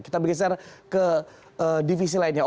kita bergeser ke divisi lainnya